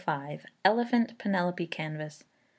Elephant Penelope Canvas.